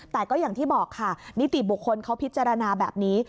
แต่ก็อย่างที่บอกค่ะนิติบุคคลเขาพิจารณาแบบนี้